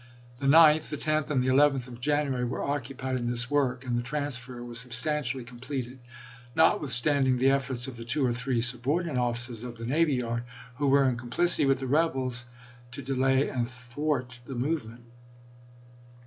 The 9th, the 10th, and the 11th of January were occupied in lsei. this work, and the transfer was substantially com pleted, notwithstanding the efforts of the two or three subordinate officers of the navy yard, who were in complicity with the rebels, to delay and thwart the movement.